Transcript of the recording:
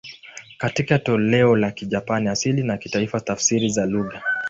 Katika toleo la Kijapani asili na katika tafsiri za ulaya.